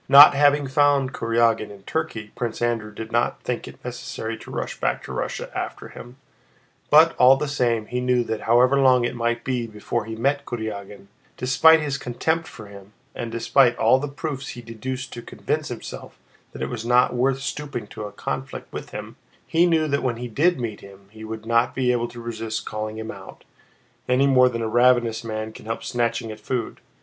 Not having found Kurágin in Turkey, Prince Andrew did not think it necessary to rush back to Russia after him, but all the same he knew that however long it might be before he met Kurágin, despite his contempt for him and despite all the proofs he deduced to convince himself that it was not worth stooping to a conflict with him—he knew that when he did meet him he would not be able to resist calling him out, any more than a ravenous man can help snatching at food.